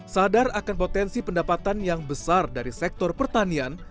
sadar akan potensi pendapatan yang besar dari sektor pertanian